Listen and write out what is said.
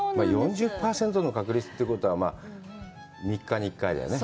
４０％の確率ということは、３日に１回だよね。